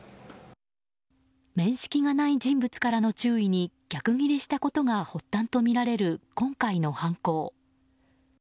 面識がない人物からの注意に逆ギレしたことが発端とみられる今回の犯行。